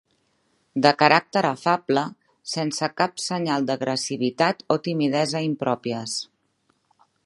De caràcter afable, sense cap senyal d'agressivitat o timidesa impròpies.